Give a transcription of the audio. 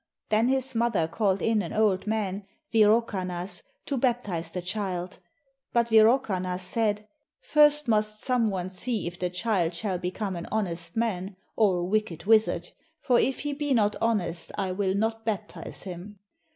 Then his mother called in an old man, Wirokannas, to baptize the child, but Wirokannas said: 'First must some one see if the child shall become an honest man, or a wicked wizard, for if he be not honest I will not baptize him.'